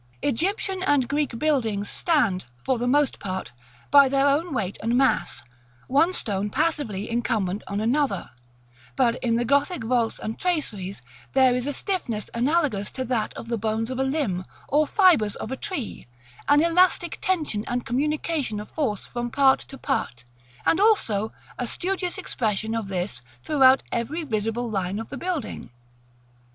Egyptian and Greek buildings stand, for the most part, by their own weight and mass, one stone passively incumbent on another: but in the Gothic vaults and traceries there is a stiffness analogous to that of the bones of a limb, or fibres of a tree; an elastic tension and communication of force from part to part, and also a studious expression of this throughout every visible line of the building.